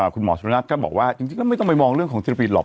คุณหมอสุพนัทก็บอกว่าจริงก็ไม่ต้องไปมองเรื่องของศิลปินหรอก